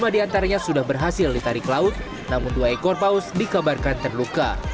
lima diantaranya sudah berhasil ditarik laut namun dua ekor paus dikabarkan terluka